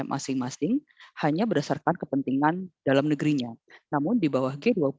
masing masing hanya berdasarkan kepentingan dalam negerinya namun di bawah g dua puluh